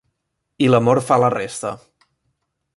I l'amor fa la resta.